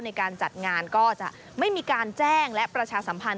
ในการจัดงานก็จะไม่มีการแจ้งและประชาสัมพันธ